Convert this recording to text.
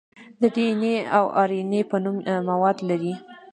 د ډي ان اې او ار ان اې په نوم مواد لري.